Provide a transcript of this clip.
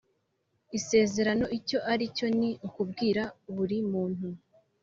isezerano icyo ari cyo Ni ukubwira burimuntu